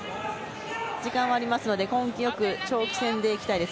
時間はありますので、根気よく長期戦でいきたいです。